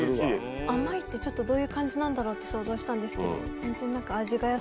甘いってどういう感じなんだろうって想像したんですけど全然何か。